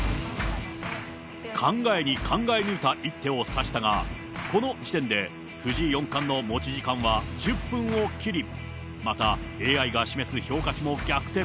考えに考え抜いた一手を指したが、この時点で藤井四冠の持ち時間は１０分を切り、また、ＡＩが示す評価値も逆転。